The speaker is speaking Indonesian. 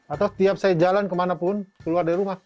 atau tiap saya jalan kemanapun keluar dari rumah